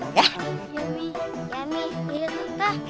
yami yami lihat itu kak